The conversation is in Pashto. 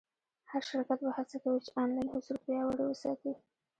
هر شرکت به هڅه کوي چې آنلاین حضور پیاوړی وساتي.